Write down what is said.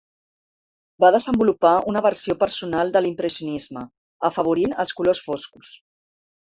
Va desenvolupar una versió personal de l'Impressionisme, afavorint els colors foscos.